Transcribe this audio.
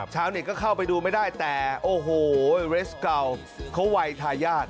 ชาวเน็ตก็เข้าไปดูไม่ได้แต่โอ้โหเรสเก่าเขาวัยทายาท